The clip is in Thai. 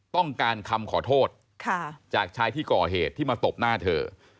ต้องการคำขอโทษจากชายที่ก่อเหตุที่มาตบหน้าเธอ